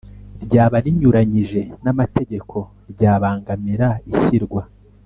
ryaba rinyuranyije n amategeko ryabangamira ishyirwa